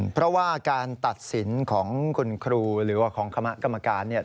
เพราะว่าการตัดสินของคุณครูหรือว่าของคณะกรรมการเนี่ย